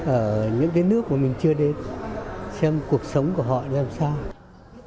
ở những đế nước mà mình chưa đến xem cuộc sống của họ là sao